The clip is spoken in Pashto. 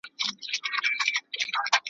ستا د غلیم په ویر به وکاږي ارمان وطنه `